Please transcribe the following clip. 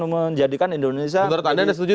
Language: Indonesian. menjadikan indonesia menurut anda anda setuju